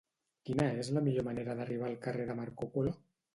Quina és la millor manera d'arribar al carrer de Marco Polo?